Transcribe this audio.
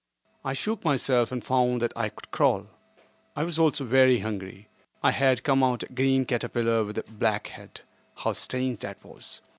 I shook myself and found that I could crawl. I was also very hungry. I had come out a green caterpillar with a black head. How strange that was!